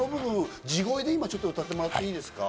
地声で歌ってもらっていいですか？